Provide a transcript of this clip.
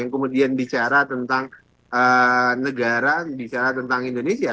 yang kemudian bicara tentang negara bicara tentang indonesia